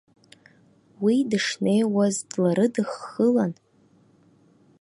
Уи дышнеиуаз дларыдыххылан.